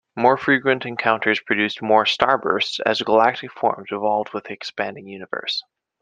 More frequent encounters produced more starbursts as galactic forms evolved with the expanding universe.